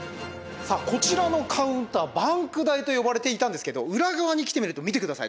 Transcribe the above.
さあこちらのカウンターバンク台と呼ばれていたんですけど裏側に来てみると見て下さい。